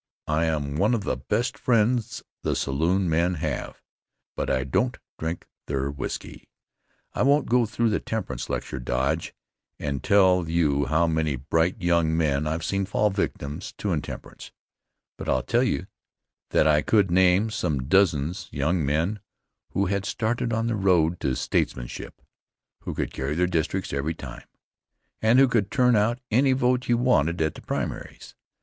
I'm one of the best friends the saloon men have but I don't drink their whisky. I won't go through the temperance lecture dodge and tell you how many' bright young men I've seen fall victims to intemperance, but I'll tell you that I could name dozens young men who had started on the road to statesmanship who could carry their districts every time, and who could turn out any vote you wanted at the primaries.